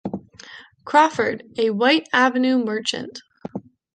Crawford, a Whyte Avenue merchant.